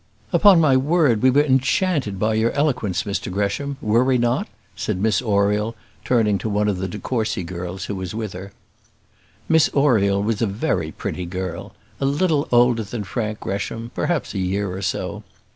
"Upon my word, we were enchanted by your eloquence, Mr Gresham, were we not?" said Miss Oriel, turning to one of the de Courcy girls who was with her. Miss Oriel was a very pretty girl; a little older than Frank Gresham, perhaps a year or so.